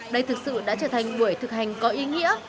đây thực sự đã trở thành buổi thực hành có ý nghĩa